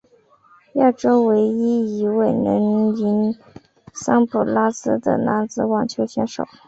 亚洲唯一一位能赢桑普拉斯的男子网球选手。